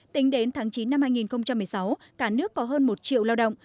tính đến tháng chín năm hai nghìn một mươi sáu cả nước có hơn một triệu lao động